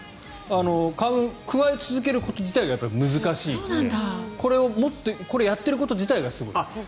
くわえ続けること自体が難しいのでこれをやっていること自体がすごい。